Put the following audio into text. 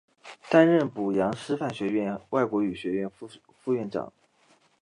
担任阜阳师范学院外国语学院副院长。